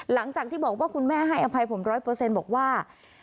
หลังจากที่บอกว่าคุณแม่ให้อภัยผมร้อยเปอร์เซ็นต์บอกว่า